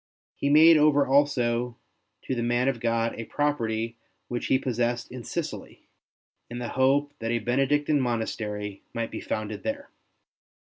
He made over also to the man of God a property which he possessed in Sicily, in the hope that a Benedictine monastery might be founded there.